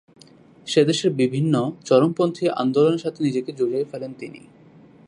সেদেশের বিভিন্ন চরমপন্থী আন্দোলনের সাথে নিজেকে জড়িয়ে ফেলেন তিনি।